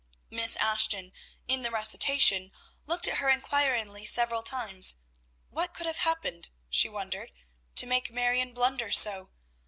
Miss Ashton in the recitation looked at her inquiringly several times. What could have happened, she wondered, to make Marion blunder so?